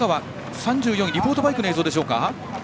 ３４位リポートバイクの映像でしょうか。